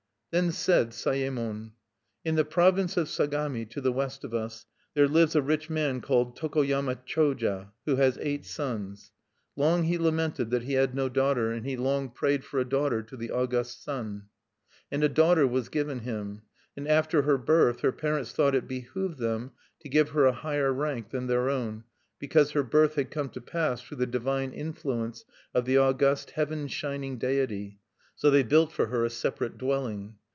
Then said Sayemon: "In the province of Sagami, to the west of us, there lives a rich man called Tokoyama Choja, who has eight sons. "Long he lamented that he had no daughter, and he long prayed for a daughter to the August Sun. "And a daughter was given him; and after her birth, her parents thought it behoved them to give her a higher rank than their own, because her birth had come to pass through the divine influence of the August Heaven Shining Deity; so they built for her a separate dwelling.